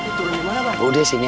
kalian bisa zum congested kadis